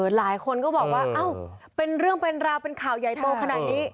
หลายคนก็บอกว่าเป็นเรื่องเป็นราวเป็นข่าวใหญ่โตขนาดนี้